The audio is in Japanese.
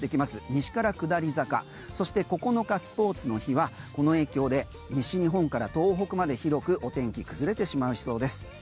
西から下り坂、そして９日、スポーツの日はこの影響で西日本から東北まで広くお天気崩れてしまいそうです。